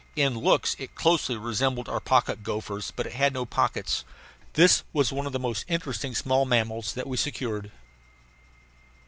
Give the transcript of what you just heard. In looks it closely resembled our pocket gophers, but it had no pockets. This was one of the most interesting small mammals that we secured.